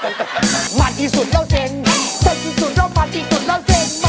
ฉันเก่งมันเจ๋ง